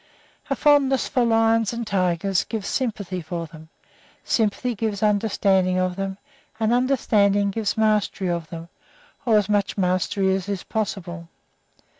A fondness for lions and tigers gives sympathy for them, sympathy gives understanding of them, and understanding gives mastery of them, or as much mastery as is possible.